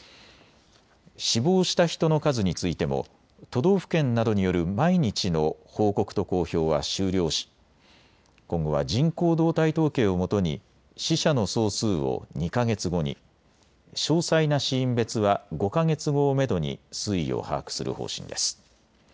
死亡した人の数についても都道府県などによる毎日の報告と公表は終了し今後は人口動態統計をもとに死者の総数を２か月後に、詳細な死因別は５か月後をめどに推移を把握する方針です。